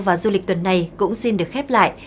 và du lịch tuần này cũng xin được khép lại